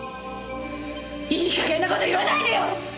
いい加減な事言わないでよ！